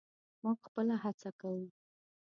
موږ خپله هڅه کوو.